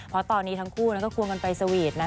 เพราะตอนนี้ทั้งคู่ก็ควงกันไปสวีท